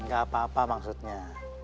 gak apa apa maksudnya